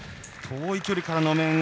遠い距離からの面。